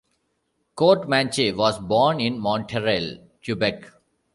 Courtemanche was born in Montreal, Quebec.